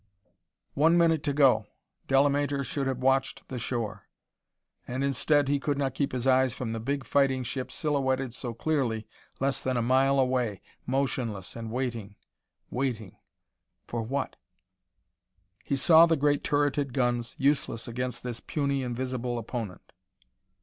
One minute to go! Delamater should have watched the shore. And, instead, he could not keep his eyes from the big fighting ship silhouetted so clearly less than a mile away, motionless and waiting waiting for what? He saw the great turreted guns, useless against this puny, invisible opponent.